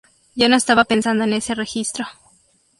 Yo no estaba pensando en ese registro.